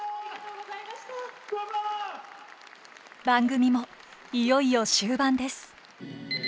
番組もいよいよ終盤です。